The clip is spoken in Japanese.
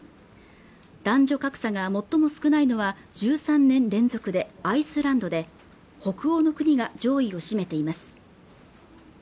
男女格差が最も少ないのは１３年連続でアイスランドで北欧の国が上位を占めています